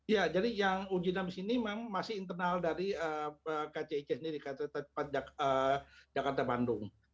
ya jadi yang uji dinamis ini memang masih internal dari kcic ini di kereta cepat jakarta bandung